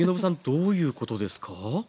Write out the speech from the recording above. どういうことですか？